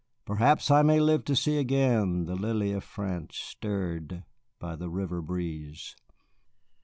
perhaps I may live to see again the lily of France stirred by the river breeze."